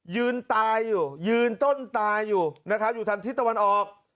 ยืนตายอยู่ยืนต้นตายอยู่นะครับอยู่ทางทิศตะวันออก